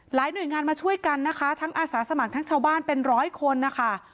หน่วยงานมาช่วยกันนะคะทั้งอาสาสมัครทั้งชาวบ้านเป็นร้อยคนนะคะ